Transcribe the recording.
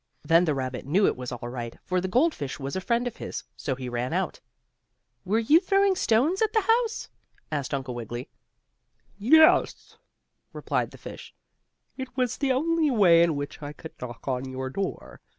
Then the rabbit knew it was all right, for the goldfish was a friend of his, so he ran out. "Were you throwing stones at the house?" asked Uncle Wiggily. "Yes," replied the fish, "it was the only way in which I could knock on your door.